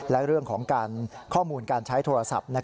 และเรื่องของการข้อมูลการใช้โทรศัพท์